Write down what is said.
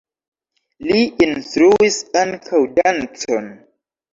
Li instruis ankaŭ dancon.